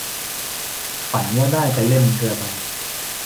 ฝันว่าได้ไปเล่นเรือใบ